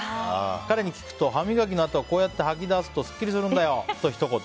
彼に聞くと、歯磨きのあとはこうやって吐き出すとすっきりするんだよと、ひと言。